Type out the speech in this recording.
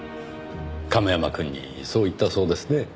亀山くんにそう言ったそうですね？